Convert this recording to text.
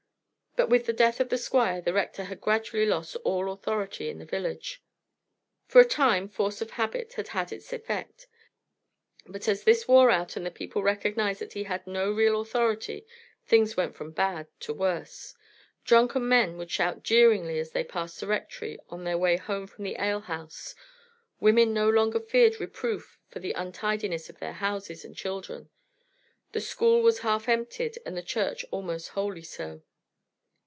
But with the death of the Squire the Rector had gradually lost all authority in the village. For a time force of habit had had its effect, but as this wore out and the people recognized that he had no real authority things went from bad to worse. Drunken men would shout jeeringly as they passed the Rectory on their way home from the alehouse; women no longer feared reproof for the untidiness of their houses and children; the school was half emptied and the church almost wholly so.